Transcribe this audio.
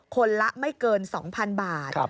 คนละไม่เกิน๒๐๐๐บาท